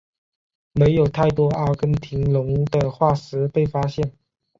没有太多阿根廷龙的化石被发现。